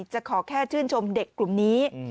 จะขอแค่ชื่นชมเด็กกลุ่มนี้